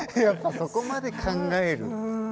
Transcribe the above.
やっぱそこまで考える。